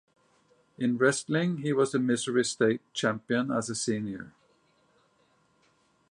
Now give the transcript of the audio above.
In wrestling, he was the Missouri State Champion as a senior.